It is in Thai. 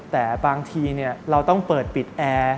แต่บางทีเราต้องเปิดปิดแอร์